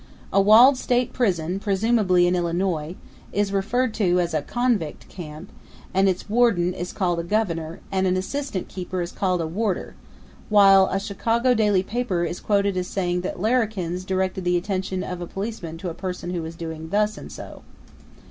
A walled state prison, presumably in Illinois, is referred to as a "convict camp"; and its warden is called a "governor" and an assistant keeper is called a "warder"; while a Chicago daily paper is quoted as saying that "larrikins" directed the attention of a policeman to a person who was doing thus and so.